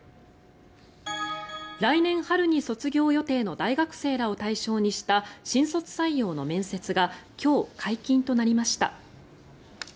来年春に卒業予定の大学生らを対象にした新卒採用の面接が今日、解禁となりました。